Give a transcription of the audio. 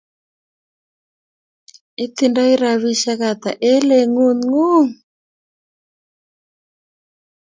Itindoi rabisiek ata eng lengut ngun?